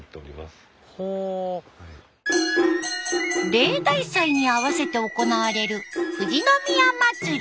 例大祭にあわせて行われる富士宮まつり。